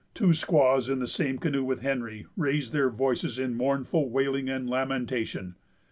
Two squaws, in the same canoe with Henry, raised their voices in mournful wailing and lamentation.